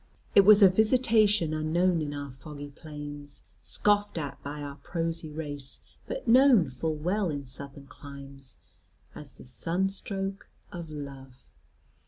It was a visitation unknown in our foggy plains, scoffed at by our prosy race, but known full well in Southern climes, as the sunstroke of love.